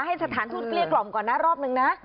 ให้สถานทูตเกลี้ยกล่อมก่อนนะรอบนึงนะ